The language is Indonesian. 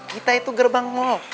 kita itu gerbang mall